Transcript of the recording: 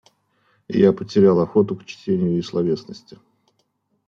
Я потерял охоту к чтению и словесности.